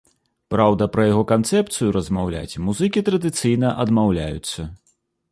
Праўда, пра яго канцэпцыю размаўляць музыкі традыцыйна адмаўляюцца.